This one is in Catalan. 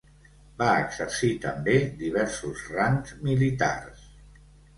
Va exercir també diversos rangs militars.